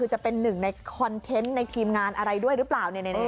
จะเป็นในคอนเทนต์ในทีมงานของได้หรือเปล่า